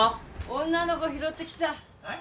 女の子拾ってきたはい？